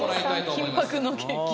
「金箔のケーキ」